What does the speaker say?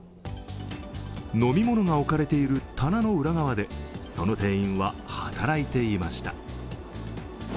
飲み物が置かれている棚の裏側でその店員は働いていました。